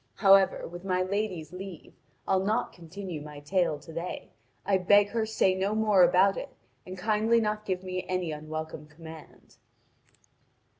However, with my lady's leave, I'll not continue my tale to day, and I beg her to say no more about it, and kindly not give me any unwelcome command."